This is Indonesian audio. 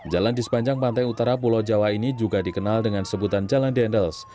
jalan di sepanjang pantai utara pulau jawa ini juga dikenal dengan sebutan jalan dendels